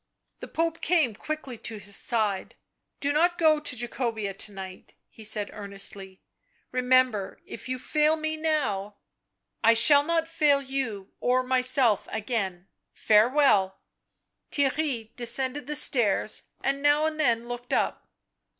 The Pope came quickly to his side. " Do not go to Jacobea to night," he said earnestly. " Remember, if you fail me now "" I shall not fail you or myself again — farewell." Theirry descended the stairs and now and then looked up.